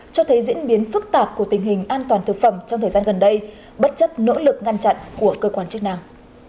cho thấy diễn biến phức tạp của tình hình an toàn thực phẩm trong thời gian gần đây bất chấp nỗ lực ngăn chặn của cơ quan chức năng